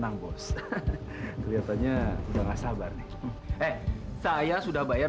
aku akan membahas lebih paket daripada ini